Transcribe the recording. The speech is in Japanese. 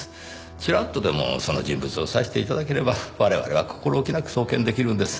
チラッとでもその人物を指して頂ければ我々は心置きなく送検出来るんです。